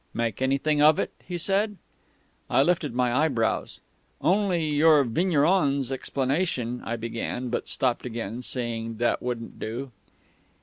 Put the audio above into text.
"Make anything of it?" he said. I lifted my eyebrows. "Only your vigneron's explanation " I began, but stopped again, seeing that wouldn't do.